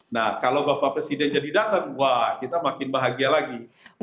nah kalau bapak presiden jadi datang wah kita makin bahagia lagi